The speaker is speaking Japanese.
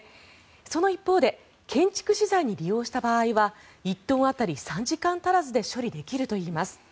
その一方で建築資材に利用した場合は１トン当たり３時間足らずで処理できるといいます。